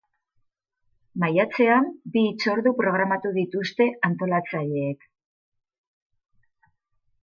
Maiatzean, bi hitzordu programatu dituzte antolatzaileek.